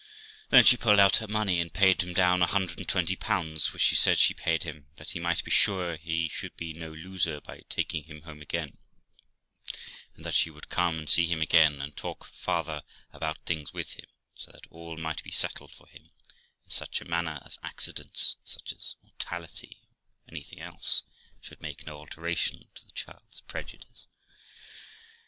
Then she pulled out her money, and paid him down a hundred and twenty pounds, which, she said, she paid him that he might be sure he should be no loser by taking him home again, and that she would come and see him again, and talk farther about things with him, so that all might be settled for him, in such a manner as accidents, such as mortality, or anything else, should make no alteration to the child's prejudice.